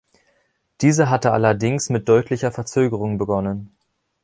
Diese hatte allerdings mit deutlicher Verzögerung begonnen.